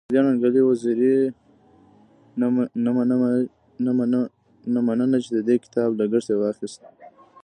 د بريالي او ننګيالي وزيري نه مننه چی د دې کتاب لګښت يې واخست.